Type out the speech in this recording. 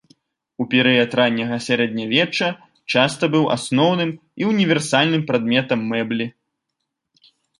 У перыяд ранняга сярэднявечча часта быў асноўным і універсальным прадметам мэблі.